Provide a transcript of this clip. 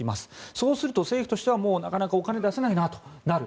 そうすると政府としてはなかなかお金出せないなとなる。